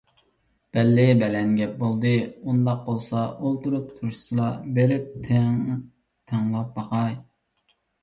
بەللى! بەلەن گەپ بولدى! ئۇنداق بولسا ئولتۇرۇپ تۇرۇشسىلا، بېرىپ تىڭ تىڭلاپ باقاي.